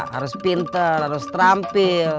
harus pintar harus terampil